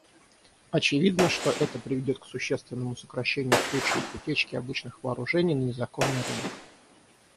Очевидно, что это приведет к существенному сокращению случаев утечки обычных вооружений на незаконный рынок.